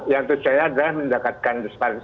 yang tujuannya adalah mendekatkan disparitas